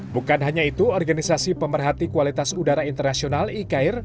bukan hanya itu organisasi pemerhati kualitas udara internasional ikair